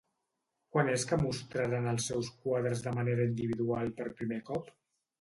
Quan és que mostraren els seus quadres de manera individual per primer cop?